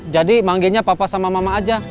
jadi manggilnya papa sama mama aja